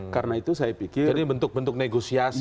karena itu saya pikir jadi bentuk bentuk negosiasi